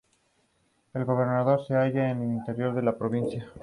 El volumen es menor al original debido a la erosión.